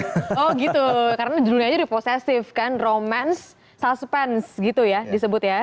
oh gitu karena judulnya jadi posesif kan romance suspense gitu ya disebut ya